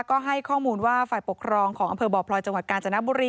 ก็ให้ข้อมูลว่าฝ่ายปกครองของอำเภอบ่อพลอยจังหวัดกาญจนบุรี